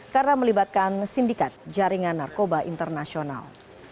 karena melibatkan sindikat jaringan narkoba internasional